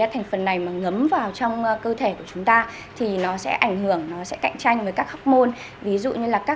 hạt chất này của chúng ta thì nó sẽ ảnh hưởng nó sẽ cạnh tranh với các học môn ví dụ như là các